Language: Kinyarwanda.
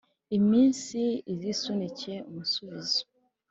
iminsi izisunike umusubizo